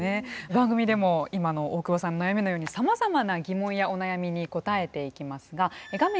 番組でも今の大久保さんの悩みのようにさまざまな疑問やお悩みに答えていきますが画面